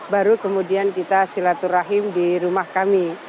baru kemudian kita silaturahim di rumah kami